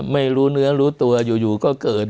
ไม่รู้เนื้อรู้ตัวอยู่ก็เกิด